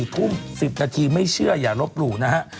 ๔ทุ่ม๑๐นาทีไม่เชื่ออย่าลบหลู่นะฮะ